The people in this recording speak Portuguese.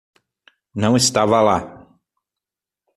Não estava lá.